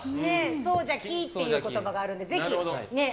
そうじゃきっていう言葉があるので、ぜひ。